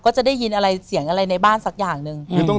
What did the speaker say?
จะได้ยินอะไรเสียงอะไรในบ้านสักอย่างหนึ่ง